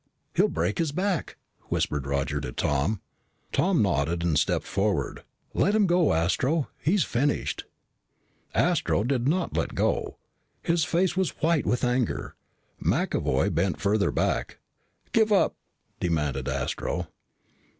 "He'll break his back," whispered Roger to Tom. Tom nodded and stepped forward. "Let him go, Astro. He's finished." Astro did not let go. His face was white with anger. McAvoy bent further back. "Give up," demanded Astro.